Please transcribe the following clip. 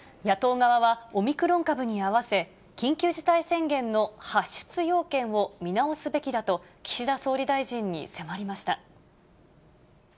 野党側はオミクロン株にあわせ、緊急事態宣言の発出要件を見直すべきだと、岸田総理大臣に迫りました。